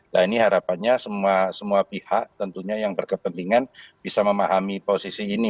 nah ini harapannya semua pihak tentunya yang berkepentingan bisa memahami posisi ini